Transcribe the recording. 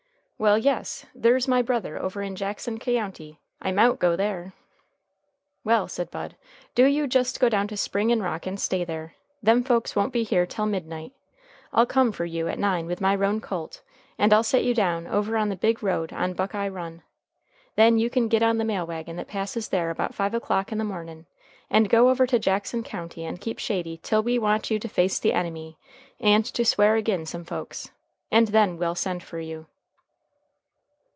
"Well, yes; ther's my brother over in Jackson Kyounty. I mout go there." "Well," said Bud, "do you just go down to Spring in rock and stay there. Them folks won't be here tell midnight. I'll come fer you at nine with my roan colt, and I'll set you down over on the big road on Buckeye Run. Then you can git on the mail wagon that passes there about five o'clock in the mornin', and go over to Jackson County and keep shady till we want you to face the enemy and to swear agin some folks. And then well send fer you."